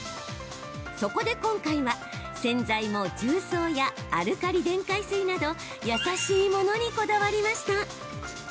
そこで今回は、洗剤も重曹やアルカリ電解水など優しいものにこだわりました。